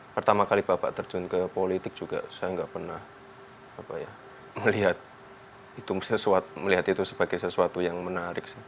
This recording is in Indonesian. pertama kali bapak terjun ke politik juga saya nggak pernah melihat itu sebagai sesuatu yang menarik sih